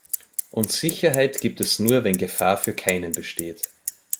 Und Sicherheit gibt es nur, wenn Gefahr für keinen besteht.